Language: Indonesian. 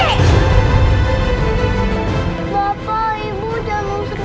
bapak ibu jangan seperti ini